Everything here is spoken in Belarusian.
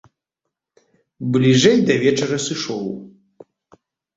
Бліжэй да вечара сышоў.